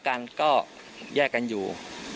กันก็แยกกันอยู่